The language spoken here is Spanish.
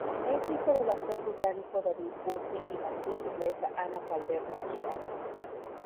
Es hijo del actor británico David Burke y la actriz inglesa Anna Calder-Marshall.